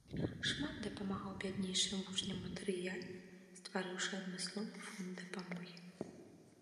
Шмат дапамагаў бяднейшым вучням матэрыяльна, стварыўшы адмысловы фонд дапамогі.